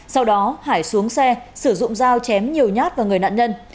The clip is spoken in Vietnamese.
sau đó hải xuống xe sử dụng dao chém nhiều nhát vào người nạn nhân